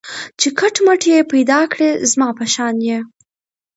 چي کټ مټ یې پیدا کړی زما په شان یې